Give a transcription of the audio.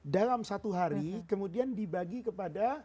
dalam satu hari kemudian dibagi kepada